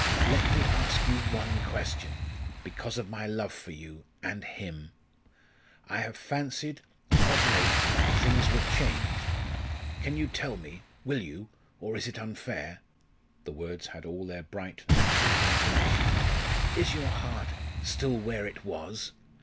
Let me ask you one question because of my love for you and him. I have fancied of late things were changed. Can you tell me will you? or is it unfair?" the words had all their bright, natural intonation "Is your heart still where it was?